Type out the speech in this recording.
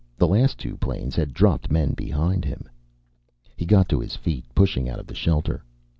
The last two planes had dropped men behind him. He got to his feet, pushing out of the shelter.